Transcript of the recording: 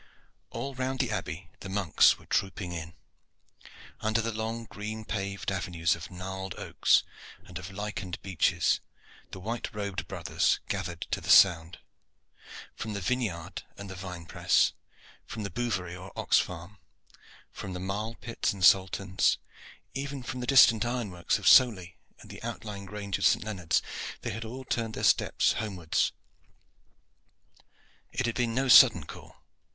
All round the Abbey the monks were trooping in. Under the long green paved avenues of gnarled oaks and of lichened beeches the white robed brothers gathered to the sound. From the vine yard and the vine press, from the bouvary or ox farm, from the marl pits and salterns, even from the distant iron works of Sowley and the outlying grange of St. Leonard's, they had all turned their steps homewards. It had been no sudden call.